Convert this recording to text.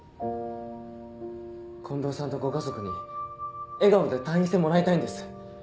近藤さんとご家族に笑顔で退院してもらいたいんです。